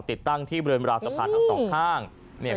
ติดตั้งที่เบิร์นเวลาสะพานทั้งสองข้าง